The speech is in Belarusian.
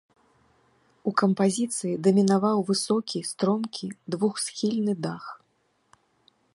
У кампазіцыі дамінаваў высокі стромкі двухсхільны дах.